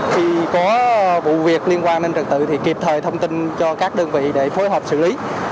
khi có vụ việc liên quan đến trật tự thì kịp thời thông tin cho các đơn vị để phối hợp xử lý